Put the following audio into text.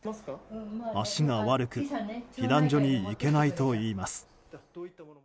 足が悪く、避難所に行けないといいます。